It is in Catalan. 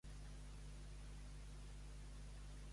Al cel torres? Si penses sortir, no corris.